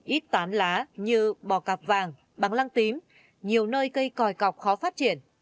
ít tán lá như bò cạp vàng băng lăng tím nhiều nơi cây còi cọc khó phát triển